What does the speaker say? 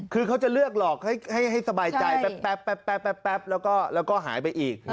คือเขาจะเลือกหลอกให้สบายใจแป๊บแล้วก็หายไปอีก